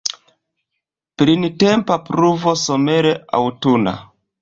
Printempa pluvo, somera, aŭtuna!